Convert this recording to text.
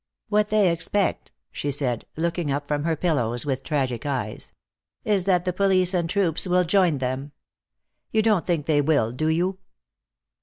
"What they expect," she said, looking up from her pillows with tragic eyes, "is that the police and the troops will join them. You don't think they will, do you?"